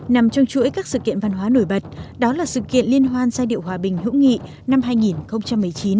nằm trong chuỗi các sự kiện văn hóa nổi bật đó là sự kiện liên hoan giai điệu hòa bình hữu nghị năm hai nghìn một mươi chín